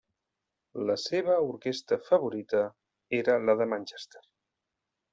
La seva orquestra favorita era la de Manchester.